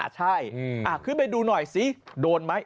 ใช่ขึ้นไปดูหน่อยดูน้อยไหม